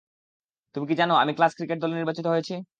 তুমি কি জানো, আমি ক্লাস ক্রিকেট দলে নির্বাচিত হয়েছি?